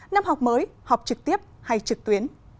năm học mới học trực tiếp hay trực tuyến